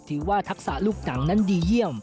ทักษะลูกหนังนั้นดีเยี่ยม